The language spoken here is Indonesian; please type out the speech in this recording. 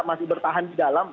masih bertahan di dalam